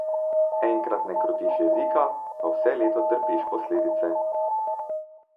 Enkrat ne krotiš jezika, pa vse leto trpiš posledice.